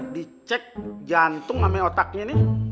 dicek jantung sampai otaknya nih